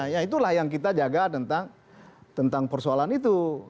ya itulah yang kita jaga tentang persoalan itu